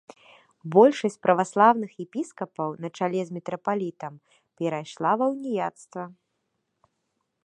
Большасць праваслаўных епіскапаў на чале з мітрапалітам перайшла ва уніяцтва.